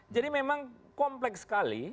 jadi memang kompleks sekali